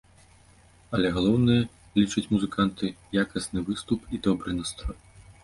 Але галоўнае, лічаць музыканты, якасны выступ і добры настрой!